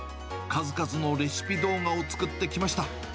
数々のレシピ動画を作ってきました。